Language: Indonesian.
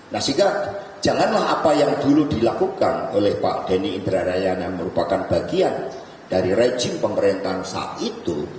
nah sehingga janganlah apa yang dulu dilakukan oleh pak denny indrayana merupakan bagian dari rejim pemerintahan saat itu